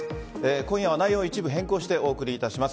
今夜は内容を一部変更してお送りいたします。